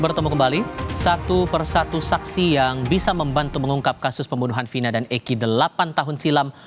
bertemu kembali satu persatu saksi yang bisa membantu mengungkap kasus pembunuhan vina dan eki delapan tahun silam